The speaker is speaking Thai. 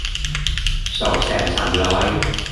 สองแสนสามร้อย